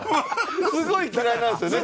すごい嫌いなんですよね